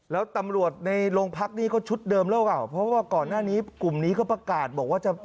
แล้วตำรวจในโรงพักษณ์นี้ก็ชุดเดิมแล้วกับ